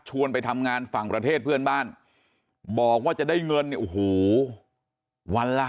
ไปทำงานฝั่งประเทศเพื่อนบ้านบอกว่าจะได้เงินโอ้โหวันละ